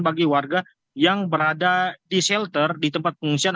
bagi warga yang berada di shelter di tempat pengungsian